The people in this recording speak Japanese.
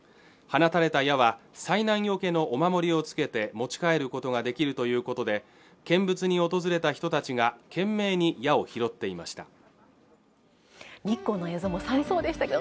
放たれた矢は災難よけのお守りをつけて持ち帰ることができるということで見物に訪れた人たちが懸命に矢を拾っていました